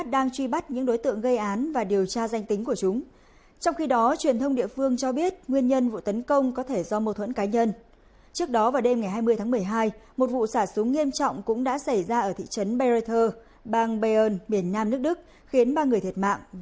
các bạn hãy đăng ký kênh để ủng hộ kênh của chúng mình nhé